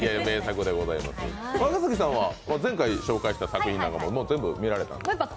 若槻さんは前回紹介した作品など全部見られたんですか？